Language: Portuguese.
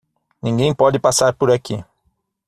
Ninguém pode passar por aqui!